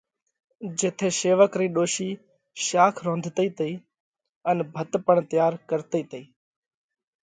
جيٿئہ شيوَڪ رئِي ڏوشِي شاک رونڌتئِي تئِي، ان ڀت پڻ تئيار ڪرتئِي تئِي۔